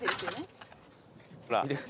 ほら。